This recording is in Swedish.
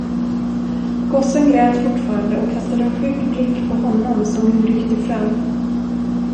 Gossen grät fortfarande och kastade en skygg blick på honom, som nu ryckte fram.